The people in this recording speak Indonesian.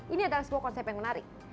ini adalah sebuah konsep yang menarik